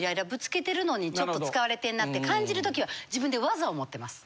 のにちょっと使われてるなって感じるときは自分でワザを持ってます！